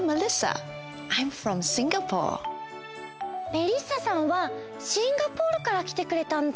メリッサさんはシンガポールからきてくれたんだ！